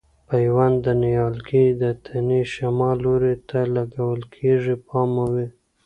پیوند د نیالګي د تنې شمال لوري ته لګول کېږي پام مو وي.